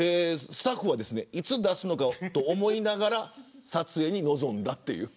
スタッフはいつ出すのかと思いながら、撮影に臨んだ。